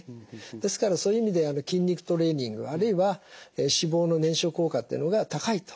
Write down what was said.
ですからそういう意味で筋肉トレーニングあるいは脂肪の燃焼効果というのが高いということになります。